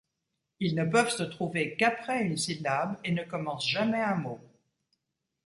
Ils ne peuvent se trouver qu'après une syllabe et ne commencent jamais un mot.